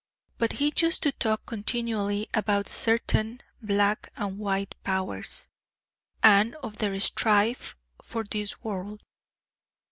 But he used to talk continually about certain 'Black' and 'White' Powers, and of their strife for this world.